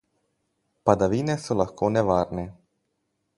Padavine so lahko nevarne.